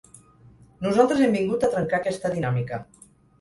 Nosaltres hem vingut a trencar aquesta dinàmica.